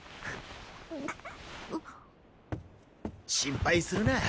心配するな。